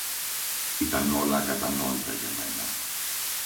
Ήταν όλα ακατανόητα για μένα